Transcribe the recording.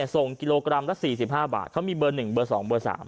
ส่งกิโลกรัมละ๔๕บาทเขามีเบอร์๑เบอร์๒เบอร์๓